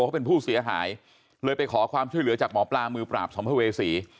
เขาเป็นผู้เสียหายเลยไปขอความช่วยเหลือจากหมอปลามือปราบสัมภเวษี